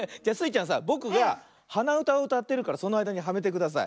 ちゃんさぼくがはなうたをうたってるからそのあいだにはめてください。